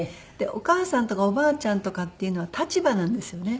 お母さんとかおばあちゃんとかっていうのは立場なんですよね。